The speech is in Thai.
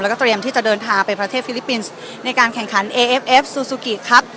แล้วก็เตรียมที่จะเดินทางไปประเทศฟิลิปปินส์ในการแข่งขันเอเอฟเอฟซูซูกิครับ